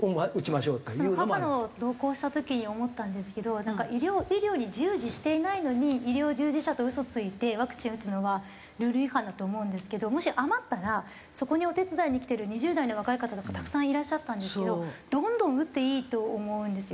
母の同行した時に思ったんですけどなんか医療医療に従事していないのに医療従事者と嘘ついてワクチンを打つのはルール違反だと思うんですけどもし余ったらそこにお手伝いに来ている２０代の若い方とかたくさんいらっしゃったんですけどどんどん打っていいと思うんですよ。